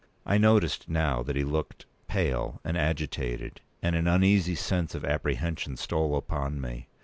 I noticed now that he looked pale and agitated, and an uneasy sense of apprehension stole upon me.